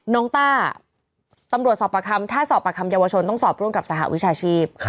ต้าตำรวจสอบประคำถ้าสอบประคำเยาวชนต้องสอบร่วมกับสหวิชาชีพ